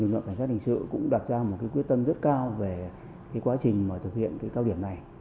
lực lượng cảnh sát hình sự cũng đặt ra một quyết tâm rất cao về quá trình thực hiện cao điểm này